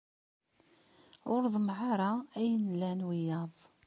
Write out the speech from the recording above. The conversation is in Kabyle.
Ur ḍemmeɛ ara ayen ay lan wiyaḍ.